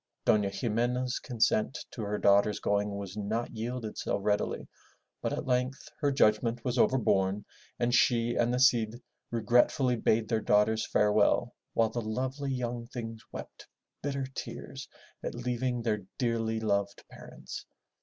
'* Dofia Ximena's consent to her daughters' going was not yielded so readily, but at length her judgment was overborne and she and the Cid regretfully bade their daughters farewell while the lovely young things wept bitter tears at leaving their dearly loved parents.